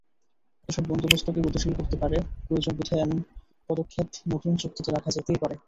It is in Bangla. এসব বন্দোবস্তকে গতিশীল করতে পারে, প্রয়োজনবোধে এমন পদক্ষেপ নতুন চুক্তিতে রাখা যেতেই পারে।